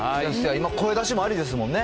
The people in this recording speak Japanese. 今、声出しもありですもんね。